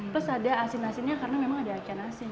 terus ada asin asinnya karena memang ada akan asin